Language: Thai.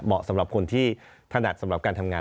สำหรับคนที่ถนัดสำหรับการทำงาน